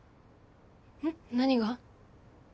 ん？何が？